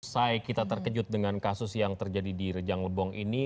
saya kita terkejut dengan kasus yang terjadi di rejang lebong ini